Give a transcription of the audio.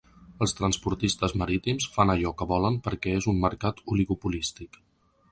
Els transportistes marítims fan allò que volen perquè és un mercat oligopolístic.